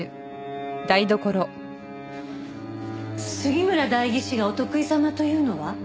杉村代議士がお得意様というのは？